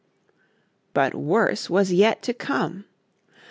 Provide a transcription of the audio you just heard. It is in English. But worse was yet to come.